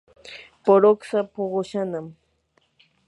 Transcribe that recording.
puruksa puqushnam.